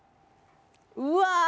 うわ！